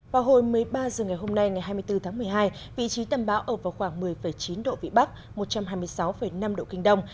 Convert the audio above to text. vào hồi một mươi ba h ngày hôm nay ngày hai mươi bốn tháng một mươi hai vị trí tâm bão ở vào khoảng một mươi chín độ vĩ bắc một trăm hai mươi sáu năm độ kinh đông